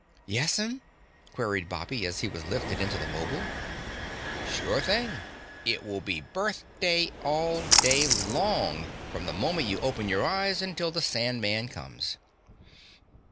"Yes'm?" queried Bobby as he was lifted into the 'mobile. "Sure thing. It will be birthday all day long, from the moment you open your eyes until the Sandman comes."